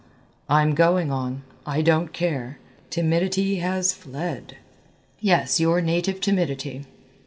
"I'm going on, I don't care; timidity has fled " "Yes, your native timidity."